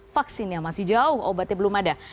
vaksinnya masih jauh obatnya belum ada